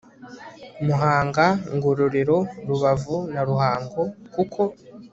Muhanga Ngororero Rubavu na Ruhango kuko